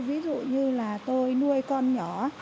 ví dụ như là tôi nuôi con nhỏ